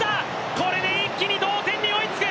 これで一気に同点に追いつく。